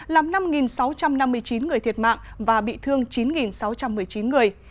làm năm sáu trăm năm mươi chín người thiệt mạng và bị thương chín sáu trăm một mươi chín người